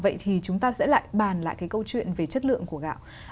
vậy thì chúng ta sẽ lại bàn lại cái câu chuyện về chất lượng của gạo